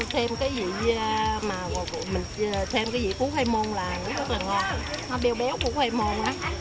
thêm cái vị của khoai môn là rất là ngon nó béo béo của khoai môn đó